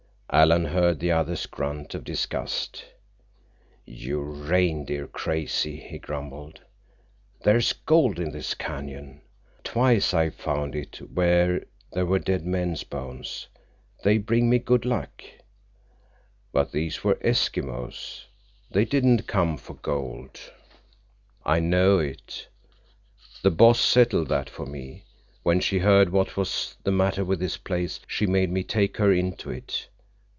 Alan heard the other's grunt of disgust. "You're reindeer crazy," he grumbled. "There's gold in this canyon. Twice I've found it where there were dead men's bones. They bring me good luck." "But these were Eskimos. They didn't come for gold." "I know it. The Boss settled that for me. When she heard what was the matter with this place, she made me take her into it.